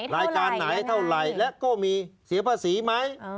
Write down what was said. รายการไหนเท่าไหร่และก็มีเสียภาษีไหม